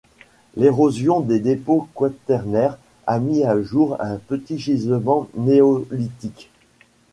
L'érosion des dépôts quaternaires a mis au jour un petit gisement néolithique.